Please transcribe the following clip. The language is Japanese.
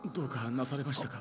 なされましたか？